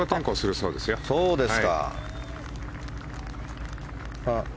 そうですか。